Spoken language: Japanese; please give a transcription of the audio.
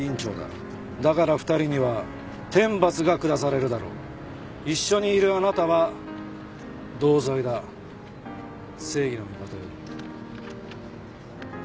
「だから二人には天罰がくだされるだろう」「一緒にいるあなたは同罪だ」「正義の味方より」